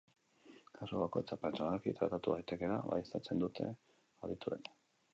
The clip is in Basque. Kasu bakoitza pertsonalki tratatu daitekeela baieztatzen dute adituek.